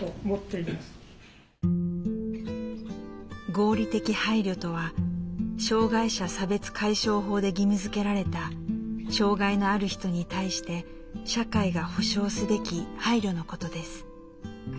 「合理的配慮」とは障害者差別解消法で義務づけられた障害のある人に対して社会が保障すべき配慮のことです。